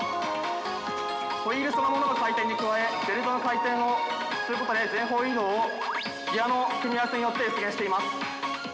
ホイールそのものの回転に加えベルトの回転をすることで全方位移動をギアの組み合わせによって実現しています。